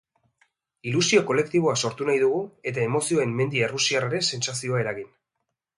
Ilusio kolektiboa sortu nahi dugu eta emozien mendi errusiarraren sentsazioa eragin.